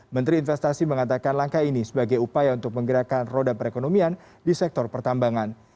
menteri investasi mengatakan langkah ini sebagai upaya untuk menggerakkan roda perekonomian di sektor pertambangan